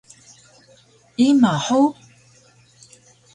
Ima hug?